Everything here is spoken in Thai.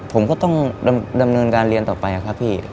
ผมก็ต้องดำเนินการเรียนต่อไปครับพี่